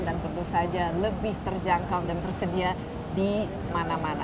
dan tentu saja lebih terjangkau dan tersedia di mana mana